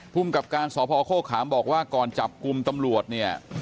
ภูมิกับการสพโฆขามบอกว่าก่อนจับกลุ่มตำรวจเนี่ย